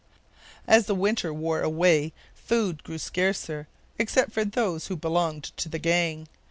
As the winter wore away food grew scarcer except for those who belonged to the gang.